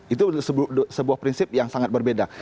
itu sebuah prinsip yang sangat berbeda